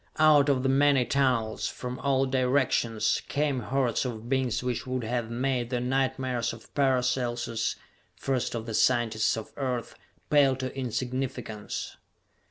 Out of the many tunnels, from all directions, came hordes of beings which would have made the nightmares of Paracelsus first of the scientists of Earth pale to insignificance.